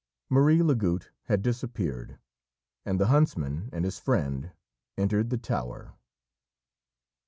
Marie Lagoutte had disappeared, and the huntsman and his friend entered the tower.